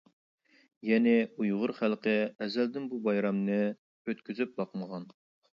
يەنى ئۇيغۇر خەلقى ئەزەلدىن بۇ بايرامنى ئۆتكۈزۈپ باقمىغان.